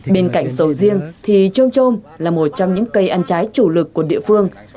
bên cạnh sầu riêng thì trôm trôm là một trong những cây ăn trái chủ lực của địa phương